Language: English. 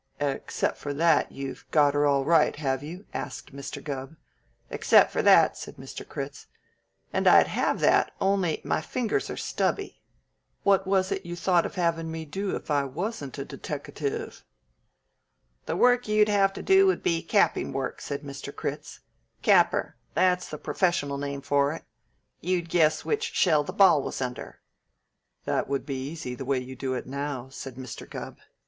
"Except for that, you've got her all right, have you?" asked Mr. Gubb. "Except for that," said Mr. Critz; "and I'd have that, only my fingers are stubby." "What was it you thought of having me do if I wasn't a deteckative?" asked Mr. Gubb. "The work you'd have to do would be capping work," said Mr. Critz. "Capper that's the professional name for it. You'd guess which shell the ball was under " "That would be easy, the way you do it now," said Mr. Gubb.